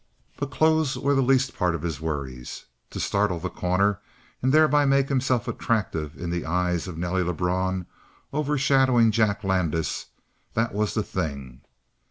But clothes were the least part of his worries. To startle The Corner, and thereby make himself attractive in the eyes of Nelly Lebrun, overshadowing Jack Landis that was the thing!